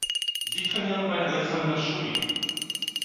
Sie trainieren bei Alexander Schulin.